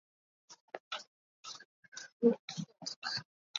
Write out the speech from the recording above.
Island residents resisted any change.